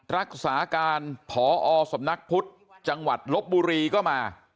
รักษาการพอสำนักพุทธจังหวัดลบบุรีก็มา